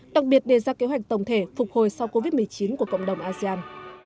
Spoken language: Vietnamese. đặc biệt đề ra kế hoạch tổng thể phục hồi sau covid một mươi chín của cộng đồng asean